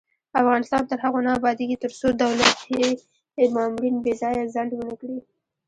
افغانستان تر هغو نه ابادیږي، ترڅو دولتي مامورین بې ځایه ځنډ ونه کړي.